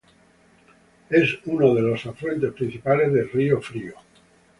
Es uno de los afluentes principales del río Frío.